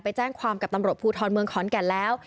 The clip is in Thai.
ไปแจ้งความกับตำรวจภูทรเมืองขอนแก่นแล้ว